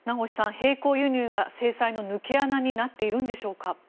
並行輸入が制裁の抜け穴になっているんでしょうか？